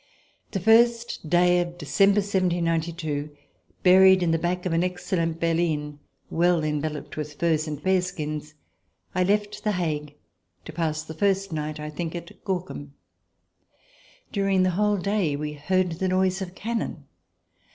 The first day of December, 1792, buried in the back of an excellent berline, well enveloped with furs and bear skins, I left The Hague, to pass the first night, I think, at Gorkum. During the whole day we heard the noise of cannon.